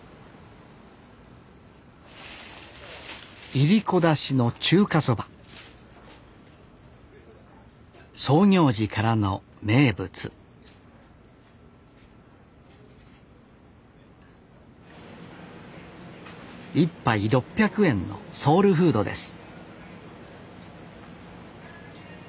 いりこだしの中華そば創業時からの名物１杯６００円のソウルフードです